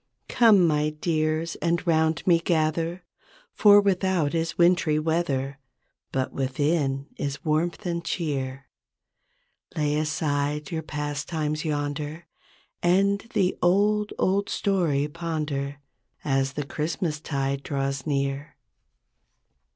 ''Come, my dears, and 'round me gather For without is wintry weather. But within is warmth and cheer. Lay aside your pastimes yonder And the Old, Old Story ponder. As the Christmastide draws near.